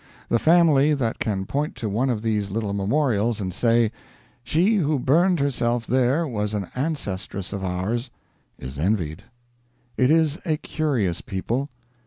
The family that can point to one of these little memorials and say: "She who burned herself there was an ancestress of ours," is envied. It is a curious people.